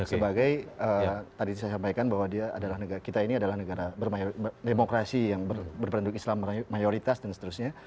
sebagai tadi saya sampaikan bahwa kita ini adalah negara demokrasi yang berpenduduk islam mayoritas dan seterusnya